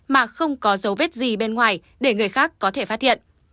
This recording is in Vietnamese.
mà không có dấu vết gì bên ngoài để người khác có thể phát hiện